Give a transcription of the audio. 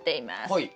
はい。